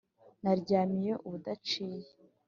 Naryamiye ubudaciye